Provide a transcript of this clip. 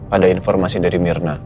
ada informasi dari mirna